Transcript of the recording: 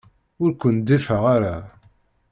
Ur ken-ḍḍifeɣ ara.